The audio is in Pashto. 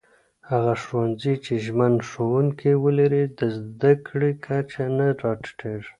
هغه ښوونځي چې ژمن ښوونکي ولري، د زده کړې کچه نه راټيټېږي.